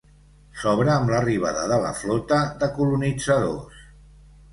S'obre amb l'arribada de la flota de colonitzadors.